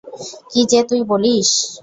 কী যে তুই বলিস!